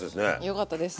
よかったです。